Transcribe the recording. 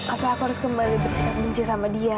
atau aku harus kembali bersikap benci sama dia